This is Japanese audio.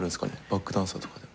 バックダンサーとかで。